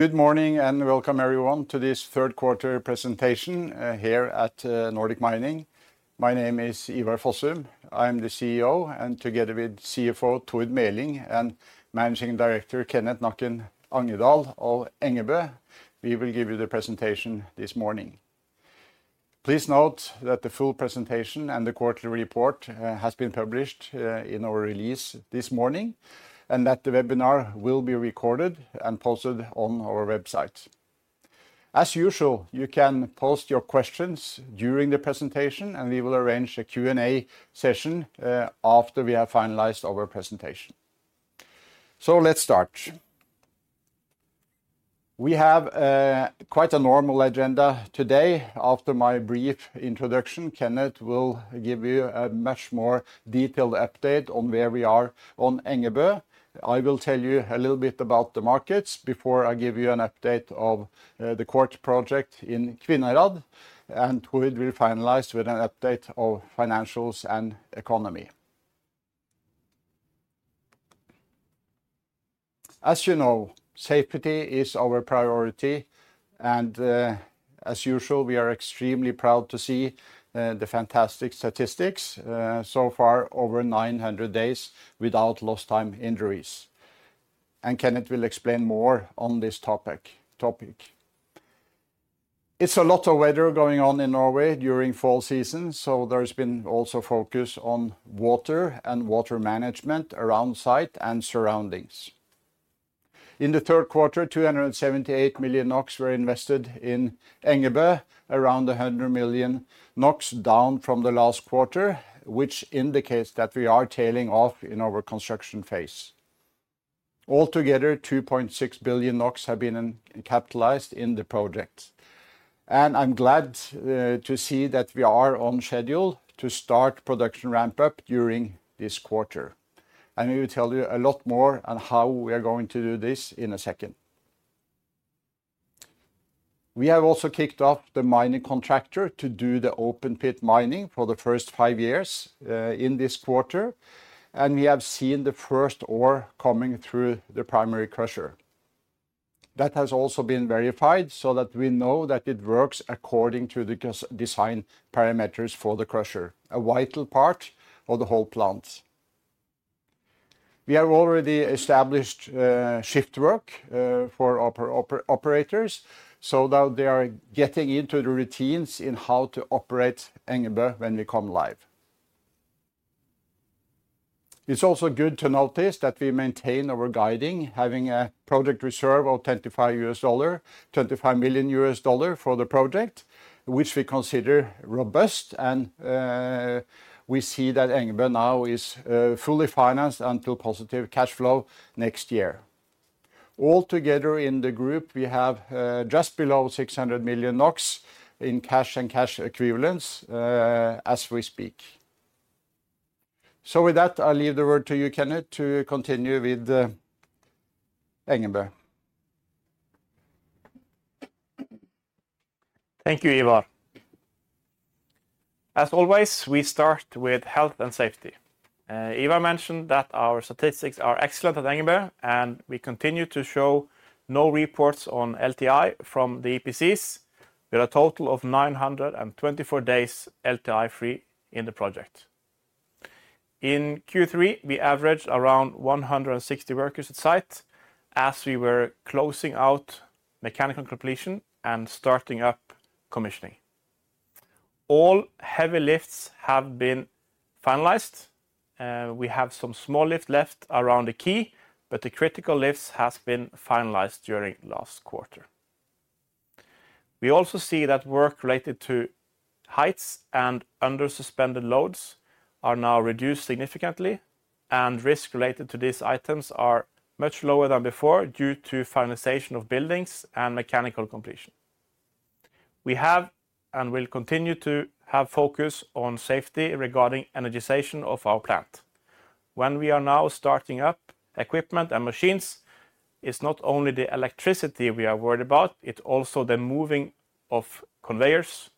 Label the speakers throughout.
Speaker 1: Good morning and welcome everyone to this third quarter presentation here at Nordic Mining. My name is Ivar Fossum. I'm the CEO and together with CFO Tord Meling and Managing Director Kenneth Angedal of Engebø, we will give you the presentation this morning. Please note that the full presentation and the quarterly report have been published in our release this morning and that the webinar will be recorded and posted on our website. As usual, you can post your questions during the presentation and we will arrange a Q&A session after we have finalized our presentation. So let's start. We have quite a normal agenda today. After my brief introduction, Kenneth will give you a much more detailed update on where we are on Engebø. I will tell you a little bit about the markets before I give you an update of the quartz project in Kvinnherad and Tord will finalize with an update of financials and economy. As you know, safety is our priority and as usual, we are extremely proud to see the fantastic statistics so far, over 900 days without lost time injuries. And Kenneth will explain more on this topic. It's a lot of weather going on in Norway during fall season, so there's been also focus on water and water management around site and surroundings. In the third quarter, 278 million NOK were invested in Engebø, around 100 million NOK down from the last quarter, which indicates that we are tailing off in our construction phase. Altogether, 2.6 billion NOK have been capitalized in the project. I'm glad to see that we are on schedule to start production ramp up during this quarter. We will tell you a lot more on how we are going to do this in a second. We have also kicked off the mining contractor to do the open pit mining for the first five years in this quarter. We have seen the first ore coming through the primary crusher. That has also been verified so that we know that it works according to the design parameters for the crusher, a vital part of the whole plant. We have already established shift work for our operators so that they are getting into the routines in how to operate Engebø when we come live. It's also good to notice that we maintain our guiding, having a project reserve of $25 million for the project, which we consider robust. We see that Engebø now is fully financed until positive cash flow next year. Altogether in the group, we have just below 600 million NOK in cash and cash equivalents as we speak. With that, I'll leave the word to you, Kenneth, to continue with Engebø.
Speaker 2: Thank you, Ivar. As always, we start with health and safety. Ivar mentioned that our statistics are excellent at Engebø and we continue to show no reports on LTI from the EPCs with a total of 924 days LTI free in the project. In Q3, we averaged around 160 workers at site as we were closing out mechanical completion and starting up commissioning. All heavy lifts have been finalized. We have some small lift left around the quay, but the critical lifts have been finalized during last quarter. We also see that work related to heights and under suspended loads are now reduced significantly and risk related to these items are much lower than before due to finalization of buildings and mechanical completion. We have and will continue to have focus on safety regarding energization of our plant. When we are now starting up equipment and machines, it's not only the electricity we are worried about, it's also the moving of conveyors,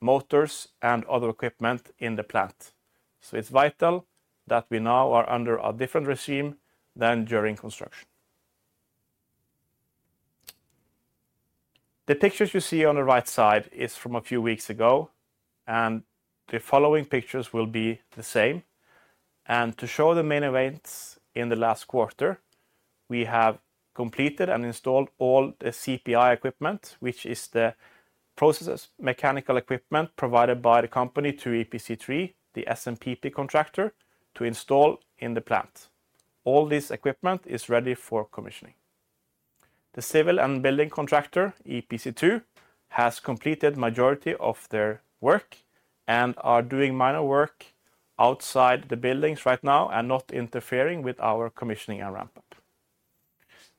Speaker 2: motors, and other equipment in the plant. So it's vital that we now are under a different regime than during construction. The pictures you see on the right side are from a few weeks ago and the following pictures will be the same. And to show the main events in the last quarter, we have completed and installed all the CPI equipment, which is the process mechanical equipment provided by the company to EPC3, the SMPP contractor to install in the plant. All this equipment is ready for commissioning. The civil and building contractor, EPC2, has completed the majority of their work and are doing minor work outside the buildings right now and not interfering with our commissioning and ramp up.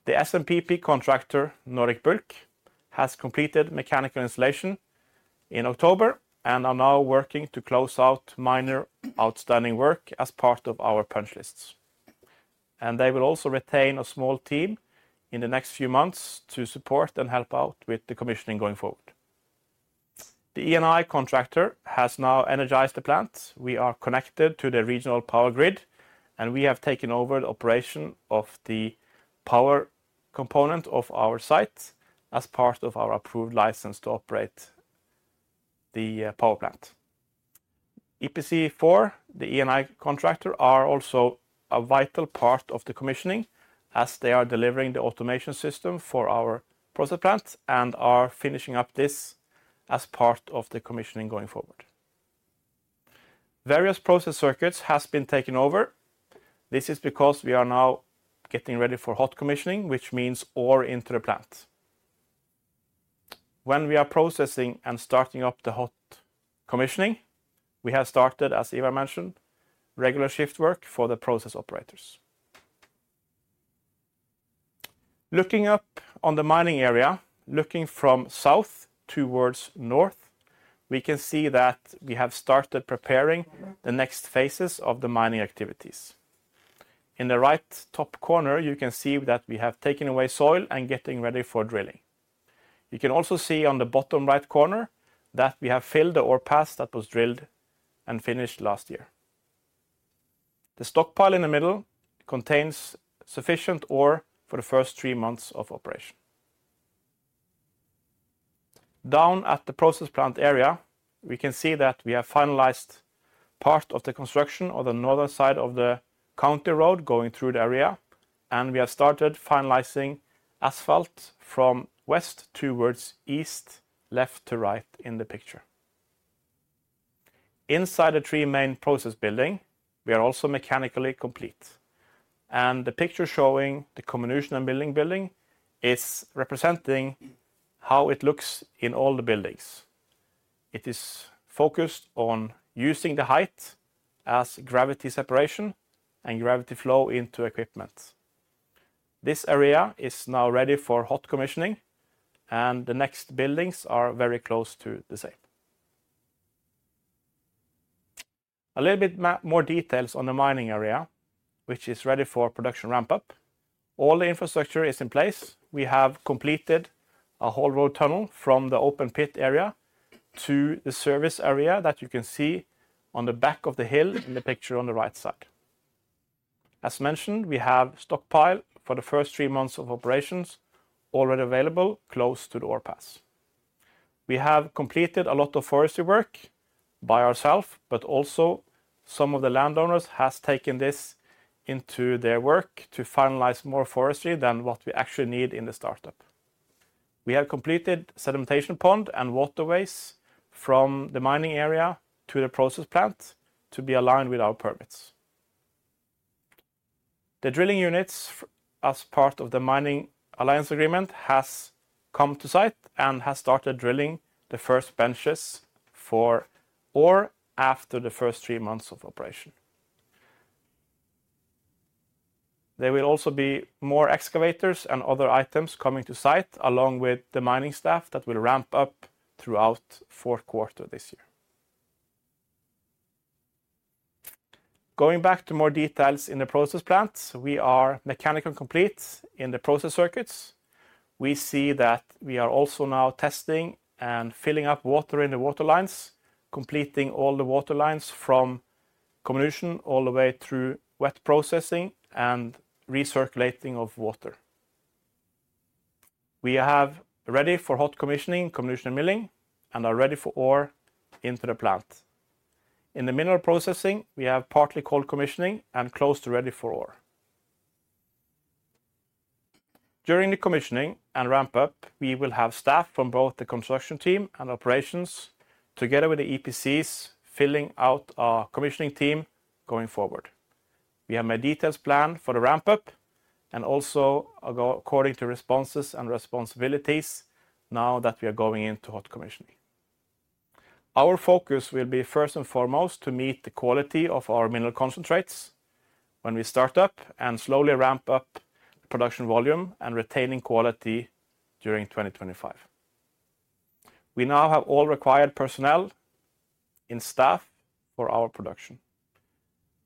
Speaker 2: The SMPP contractor, Nordic Bulk, has completed mechanical installation in October and are now working to close out minor outstanding work as part of our punch lists, and they will also retain a small team in the next few months to support and help out with the commissioning going forward. The E&I contractor has now energized the plant. We are connected to the regional power grid and we have taken over the operation of the power component of our site as part of our approved license to operate the power plant. EPC4, the E&I contractor, are also a vital part of the commissioning as they are delivering the automation system for our process plants and are finishing up this as part of the commissioning going forward. Various process circuits have been taken over. This is because we are now getting ready for hot commissioning, which means ore into the plant. When we are processing and starting up the hot commissioning, we have started, as Ivar mentioned, regular shift work for the process operators. Looking up on the mining area, looking from south towards north, we can see that we have started preparing the next phases of the mining activities. In the right top corner, you can see that we have taken away soil and are getting ready for drilling. You can also see on the bottom right corner that we have filled the ore pass that was drilled and finished last year. The stockpile in the middle contains sufficient ore for the first three months of operation. Down at the process plant area, we can see that we have finalized part of the construction on the northern side of the county road going through the area. We have started finalizing asphalt from west towards east, left to right in the picture. Inside the three main process buildings, we are also mechanically complete. The picture showing the comminution and milling building is representing how it looks in all the buildings. It is focused on using the height as gravity separation and gravity flow into equipment. This area is now ready for hot commissioning and the next buildings are very close to the same. A little bit more details on the mining area, which is ready for production ramp up. All the infrastructure is in place. We have completed a whole road tunnel from the open pit area to the service area that you can see on the back of the hill in the picture on the right side. As mentioned, we have stockpile for the first three months of operations already available close to the ore pass. We have completed a lot of forestry work by ourselves, but also some of the landowners have taken this into their work to finalize more forestry than what we actually need in the startup. We have completed sedimentation pond and waterways from the mining area to the process plant to be aligned with our permits. The drilling units as part of the mining alliance agreement have come to site and have started drilling the first benches for ore after the first three months of operation. There will also be more excavators and other items coming to site along with the mining staff that will ramp up throughout the fourth quarter this year. Going back to more details in the process plants, we are mechanically complete in the process circuits. We see that we are also now testing and filling up water in the water lines, completing all the water lines from comminution all the way through wet processing and recirculating of water. We have ready for hot commissioning, comminution and milling, and are ready for ore into the plant. In the mineral processing, we have partly cold commissioning and close to ready for ore. During the commissioning and ramp up, we will have staff from both the construction team and operations together with the EPCs filling out our commissioning team going forward. We have made details planned for the ramp up and also according to responses and responsibilities now that we are going into hot commissioning. Our focus will be first and foremost to meet the quality of our mineral concentrates when we start up and slowly ramp up production volume and retaining quality during 2025. We now have all required personnel in staff for our production.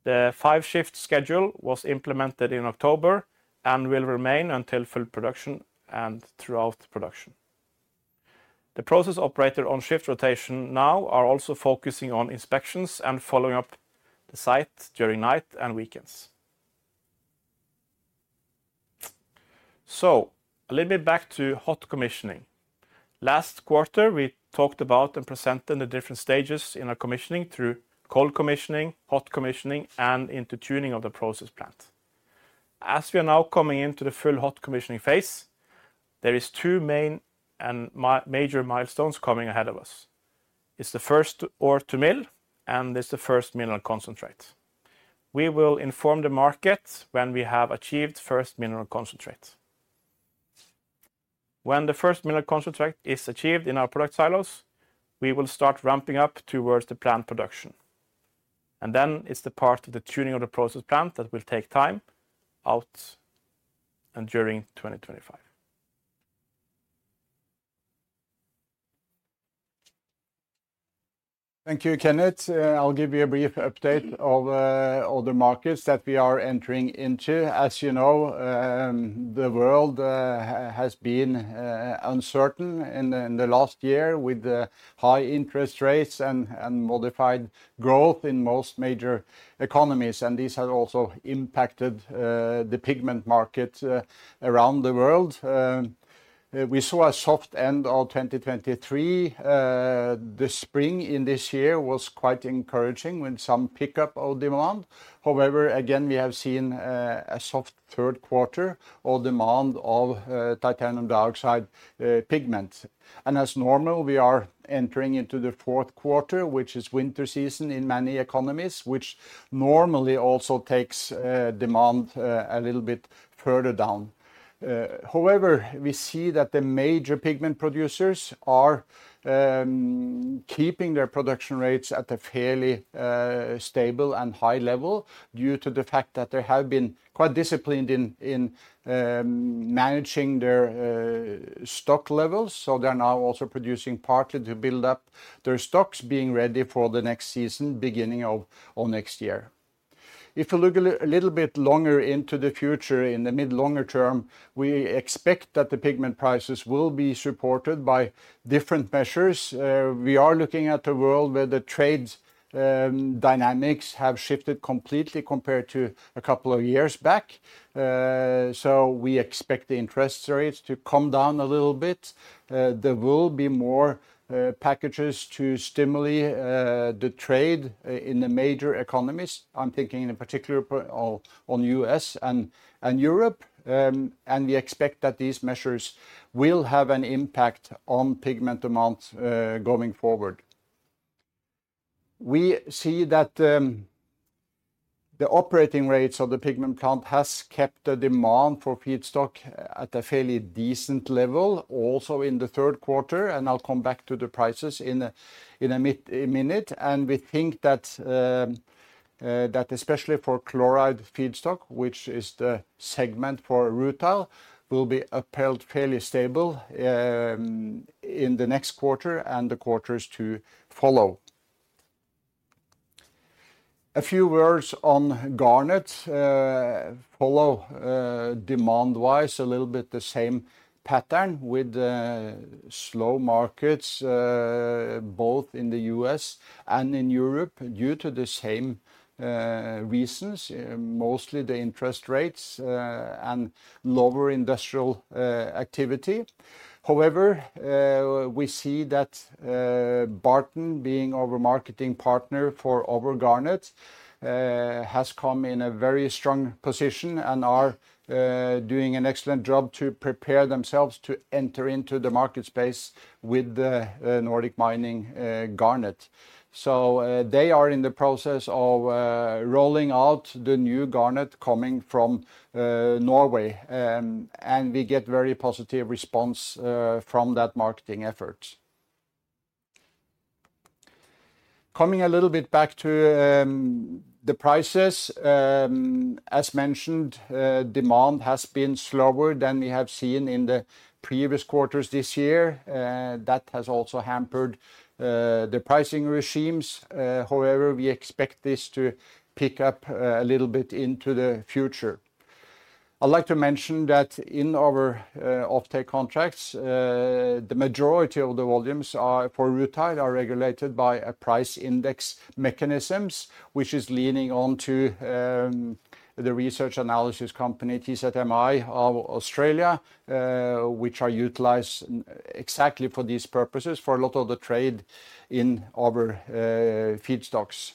Speaker 2: The five-shift schedule was implemented in October and will remain until full production and throughout production. The process operator on shift rotation now are also focusing on inspections and following up the site during night and weekends. So a little bit back to hot commissioning. Last quarter, we talked about and presented the different stages in our commissioning through cold commissioning, hot commissioning, and into tuning of the process plant. As we are now coming into the full hot commissioning phase, there are two main and major milestones coming ahead of us. It's the first ore to mill and it's the first mineral concentrate. We will inform the market when we have achieved the first mineral concentrate. When the first mineral concentrate is achieved in our product silos, we will start ramping up towards the plant production. And then it's the part of the tuning of the process plant that will take time out and during 2025.
Speaker 1: Thank you, Kenneth. I'll give you a brief update of all the markets that we are entering into. As you know, the world has been uncertain in the last year with the high interest rates and modified growth in most major economies. And these have also impacted the pigment market around the world. We saw a soft end of 2023. The spring in this year was quite encouraging with some pickup of demand. However, again, we have seen a soft third quarter of demand of titanium dioxide pigment. And as normal, we are entering into the fourth quarter, which is winter season in many economies, which normally also takes demand a little bit further down. However, we see that the major pigment producers are keeping their production rates at a fairly stable and high level due to the fact that they have been quite disciplined in managing their stock levels. So they're now also producing partly to build up their stocks being ready for the next season, beginning of next year. If you look a little bit longer into the future, in the mid-longer term, we expect that the pigment prices will be supported by different measures. We are looking at a world where the trade dynamics have shifted completely compared to a couple of years back. So we expect the interest rates to come down a little bit. There will be more packages to stimulate the trade in the major economies. I'm thinking in particular on the U.S. and Europe. And we expect that these measures will have an impact on pigment amounts going forward. We see that the operating rates of the pigment plant have kept the demand for feedstock at a fairly decent level also in the third quarter. I'll come back to the prices in a minute. We think that especially for chloride feedstock, which is the segment for rutile, will be upheld fairly stable in the next quarter and the quarters to follow. A few words on garnet follow demand-wise, a little bit the same pattern with slow markets both in the U.S. and in Europe due to the same reasons, mostly the interest rates and lower industrial activity. However, we see that Barton, being our marketing partner for our garnet, has come in a very strong position and are doing an excellent job to prepare themselves to enter into the market space with the Nordic Mining Garnet. They are in the process of rolling out the new garnet coming from Norway. We get very positive response from that marketing effort. Coming a little bit back to the prices, as mentioned, demand has been slower than we have seen in the previous quarters this year. That has also hampered the pricing regimes. However, we expect this to pick up a little bit into the future. I'd like to mention that in our off-take contracts, the majority of the volumes for rutile are regulated by price index mechanisms, which is leaning onto the research analysis company TZMI of Australia, which are utilized exactly for these purposes for a lot of the trade in our feedstocks,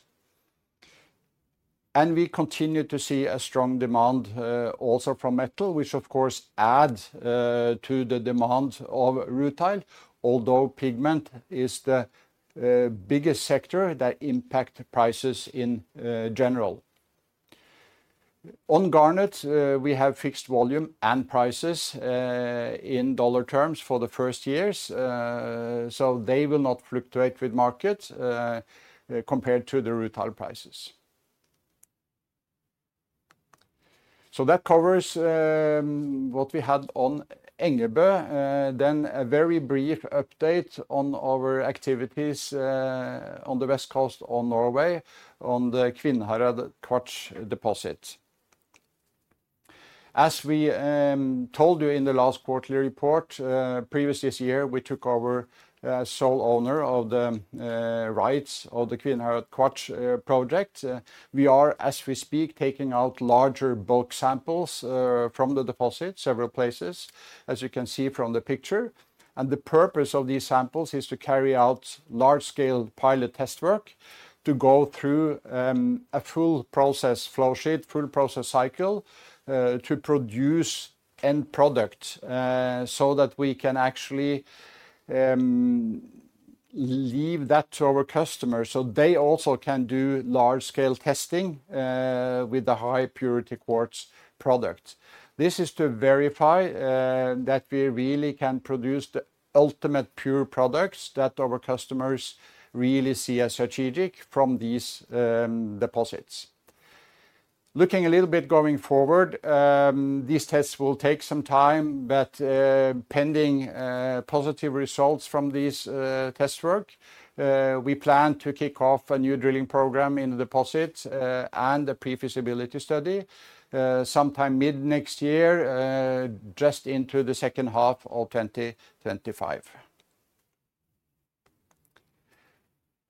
Speaker 1: and we continue to see a strong demand also from metal, which of course adds to the demand of rutile, although pigment is the biggest sector that impacts prices in general. On garnet, we have fixed volume and prices in dollar terms for the first years. They will not fluctuate with markets compared to the rutile prices. That covers what we had on Engebø. Then a very brief update on our activities on the west coast of Norway on the Kvinnherad quartz deposit. As we told you in the last quarterly report earlier this year, we took sole ownership of the rights of the Kvinnherad quartz project. We are, as we speak, taking out larger bulk samples from the deposit several places, as you can see from the picture. The purpose of these samples is to carry out large-scale pilot test work to go through a full process flow sheet, full process cycle to produce end product so that we can actually leave that to our customers so they also can do large-scale testing with the high-purity quartz product. This is to verify that we really can produce the ultimate pure products that our customers really see as strategic from these deposits. Looking a little bit going forward, these tests will take some time, but pending positive results from this test work, we plan to kick off a new drilling program in the deposit and a pre-feasibility study sometime mid next year, just into the second half of 2025.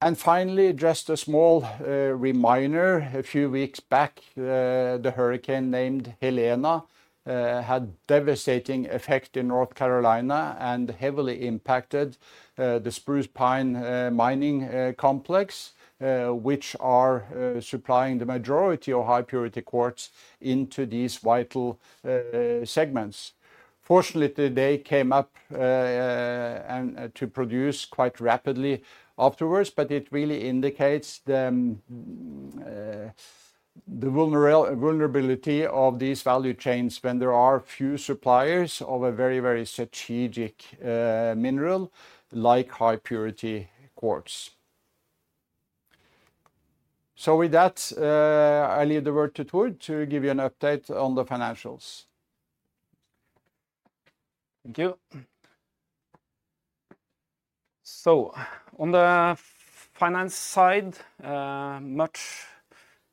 Speaker 1: And finally, just a small reminder, a few weeks back, the hurricane named Helene had a devastating effect in North Carolina and heavily impacted the Spruce Pine Mining Complex, which are supplying the majority of high-purity quartz into these vital segments. Fortunately, they came up to produce quite rapidly afterwards, but it really indicates the vulnerability of these value chains when there are few suppliers of a very, very strategic mineral like high-purity quartz. So with that, I'll leave the word to Tord to give you an update on the financials.
Speaker 3: Thank you. So on the finance side, much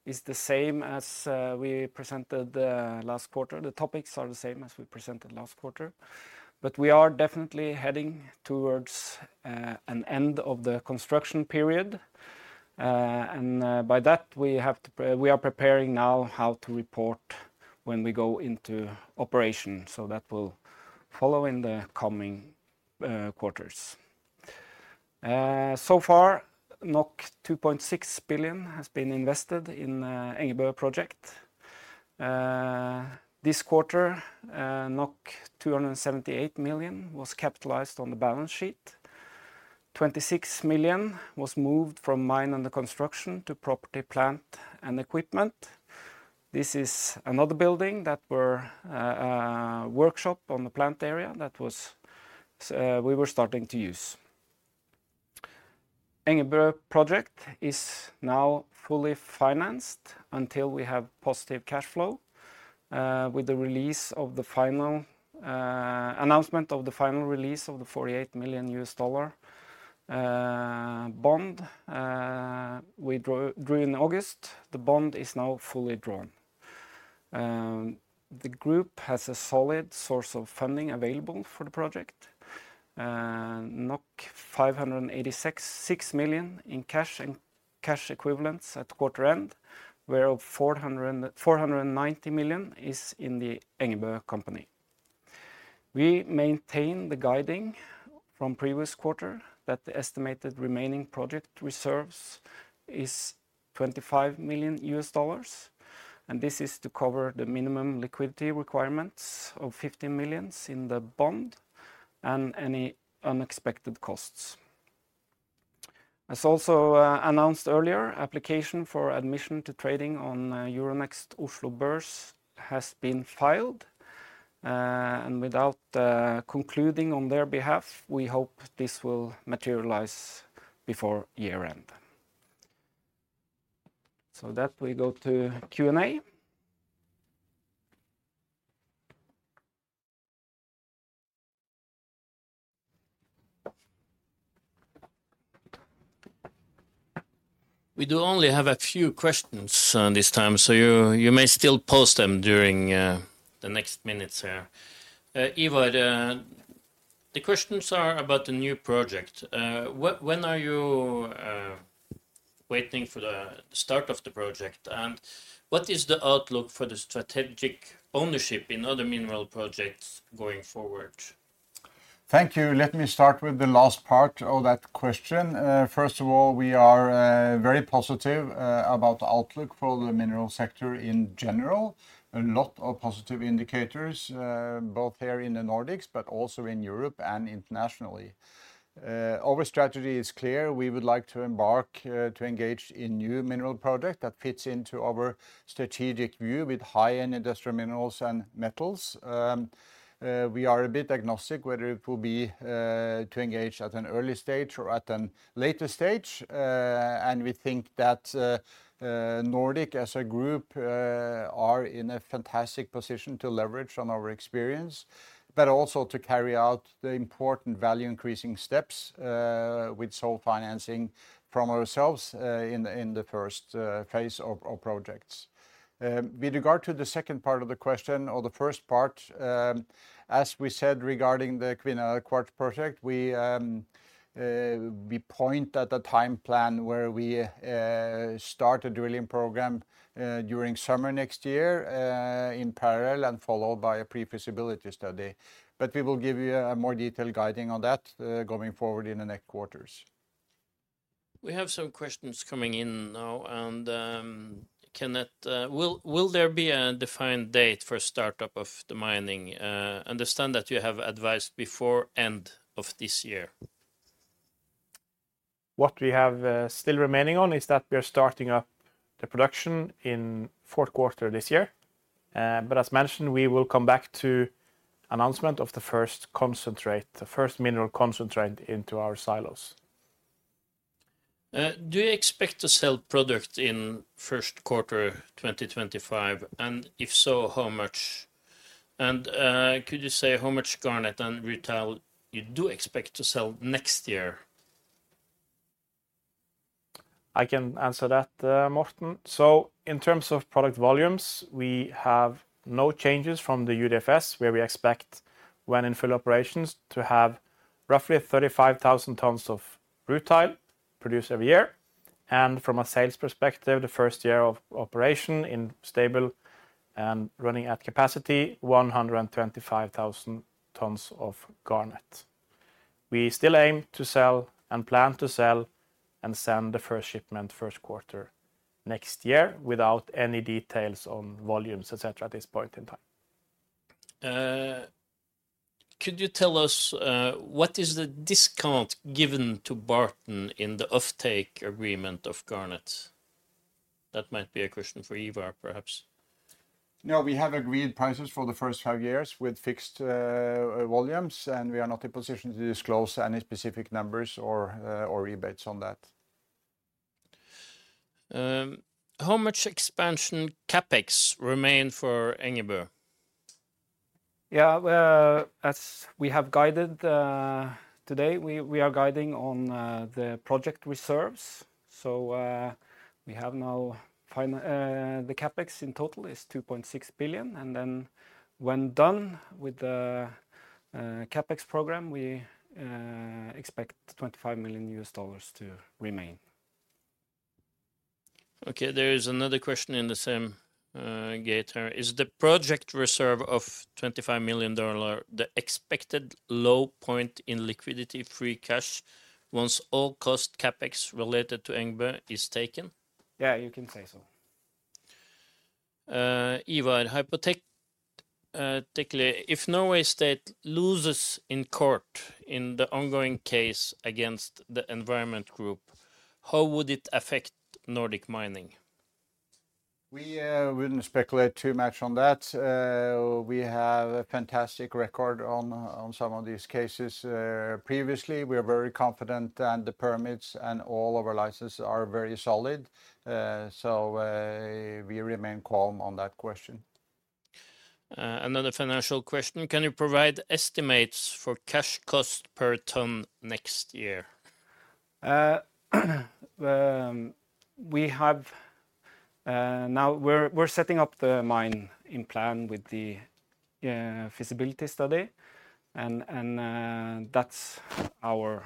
Speaker 3: is the same as we presented last quarter. The topics are the same as we presented last quarter. But we are definitely heading towards an end of the construction period. And by that, we are preparing now how to report when we go into operation. So that will follow in the coming quarters. So far, 2.6 billion has been invested in the Engebø project. This quarter, 278 million was capitalized on the balance sheet. 26 million was moved from mine under construction to property, plant, and equipment. This is another building that was a workshop on the plant area that we were starting to use. Engebø project is now fully financed until we have positive cash flow with the release of the final announcement of the final release of the $48 million US dollar bond we drew in August. The bond is now fully drawn. The group has a solid source of funding available for the project. 586 million in cash and cash equivalents at quarter end, where 490 million is in the Engebø company. We maintain the guidance from previous quarter that the estimated remaining project reserves is $25 million. And this is to cover the minimum liquidity requirements of 15 million in the bond and any unexpected costs. As also announced earlier, application for admission to trading on Euronext Oslo Børs has been filed, and without concluding on their behalf, we hope this will materialize before year end, so that we go to Q&A.
Speaker 4: We do only have a few questions this time, so you may still post them during the next minutes here. Ivar, the questions are about the new project. When are you waiting for the start of the project? What is the outlook for the strategic ownership in other mineral projects going forward?
Speaker 1: Thank you. Let me start with the last part of that question. First of all, we are very positive about the outlook for the mineral sector in general. A lot of positive indicators, both here in the Nordics, but also in Europe and internationally. Our strategy is clear. We would like to embark to engage in new mineral projects that fits into our strategic view with high-end industrial minerals and metals. We are a bit agnostic whether it will be to engage at an early stage or at a later stage, and we think that Nordic as a group are in a fantastic position to leverage on our experience, but also to carry out the important value-increasing steps with sole financing from ourselves in the first phase of projects. With regard to the second part of the question or the first part, as we said regarding the Kvinnherad quartz project, we point at the time plan where we start a drilling program during summer next year in parallel and followed by a pre-feasibility study. But we will give you more detailed guidance on that going forward in the next quarters.
Speaker 4: We have some questions coming in now, and Kenneth, will there be a defined date for startup of the mining? I understand that you have advised before the end of this year.
Speaker 2: What we have still remaining on is that we are starting up the production in the fourth quarter this year. But as mentioned, we will come back to the announcement of the first concentrate, the first mineral concentrate into our silos.
Speaker 4: Do you expect to sell product in the first quarter of 2025? And if so, how much? And could you say how much garnet and rutile you do expect to sell next year?
Speaker 3: I can answer that, Morten. So in terms of product volumes, we have no changes from the UDFS, where we expect when in full operations to have roughly 35,000 tons of rutile produced every year. And from a sales perspective, the first year of operation in stable and running at capacity, 125,000 tons of garnet. We still aim to sell and plan to sell and send the first shipment first quarter next year without any details on volumes, et cetera, at this point in time.
Speaker 4: Could you tell us what is the discount given to Barton in the off-take agreement of garnet? That might be a question for Ivar, perhaps.
Speaker 1: No, we have agreed prices for the first five years with fixed volumes, and we are not in position to disclose any specific numbers or rebates on that.
Speaker 4: How much expansion Capex remains for Engebø?
Speaker 3: Yeah, as we have guided today, we are guiding on the project reserves. So we have now the Capex in total is 2.6 billion. And then when done with the Capex program, we expect $25 million to remain.
Speaker 4: Okay, there is another question in the same gate here. Is the project reserve of $25 million the expected low point in liquidity-free cash once all cost Capex related to Engebø is taken?
Speaker 3: Yeah, you can say so.
Speaker 4: Ivar, hypothetically, if Norwegian state loses in court in the ongoing case against the environmental group, how would it affect Nordic Mining?
Speaker 1: We wouldn't speculate too much on that. We have a fantastic record on some of these cases previously. We are very confident that the permits and all of our licenses are very solid. So we remain calm on that question.
Speaker 4: Another financial question. Can you provide estimates for cash cost per ton next year?
Speaker 3: Now, we're setting up the mining plan with the feasibility study, and that's our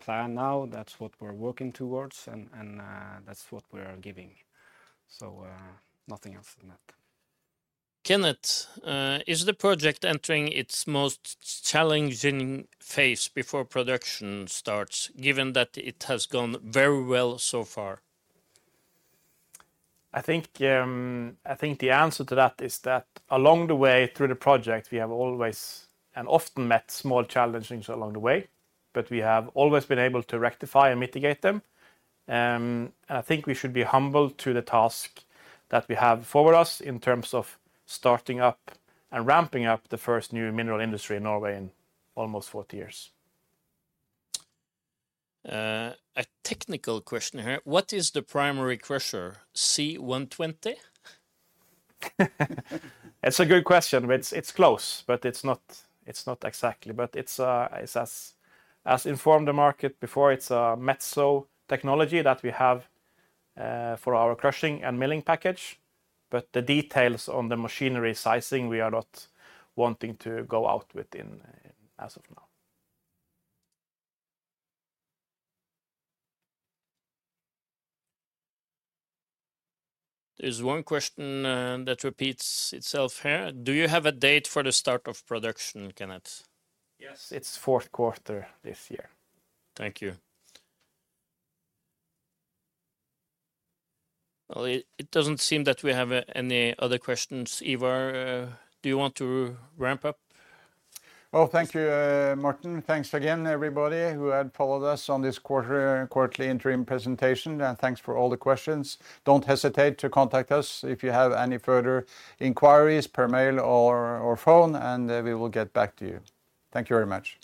Speaker 3: plan now. That's what we're working towards, and that's what we are giving, so nothing else than that.
Speaker 4: Kenneth, is the project entering its most challenging phase before production starts, given that it has gone very well so far?
Speaker 2: I think the answer to that is that along the way through the project, we have always and often met small challenges along the way, but we have always been able to rectify and mitigate them, and I think we should be humble to the task that we have forward us in terms of starting up and ramping up the first new mineral industry in Norway in almost 40 years.
Speaker 4: A technical question here. What is the primary crusher? C120?
Speaker 3: It's a good question. It's close, but it's not exactly. But as we've informed the market before, it's a Metso technology that we have for our crushing and milling package. But the details on the machinery sizing, we are not wanting to go out with as of now.
Speaker 4: There's one question that repeats itself here. Do you have a date for the start of production, Kenneth?
Speaker 2: Yes, it's fourth quarter this year.
Speaker 4: Thank you. It doesn't seem that we have any other questions. Ivar, do you want to ramp up?
Speaker 1: Thank you, Martin. Thanks again, everybody who had followed us on this quarterly interim presentation. Thanks for all the questions. Don't hesitate to contact us if you have any further inquiries per mail or phone, and we will get back to you. Thank you very much.